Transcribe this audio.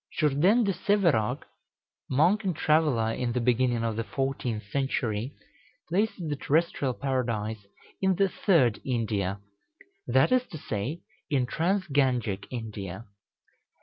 Jourdain de Sèverac, monk and traveller in the beginning of the fourteenth century, places the terrestrial Paradise in the "Third India;" that is to say, in trans Gangic India.